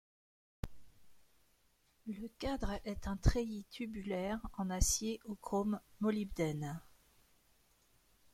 Le cadre est un treillis tubulaire en acier au chrome molybdène.